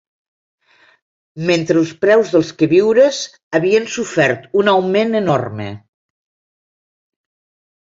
Mentre els preus dels queviures havien sofert un augment enorme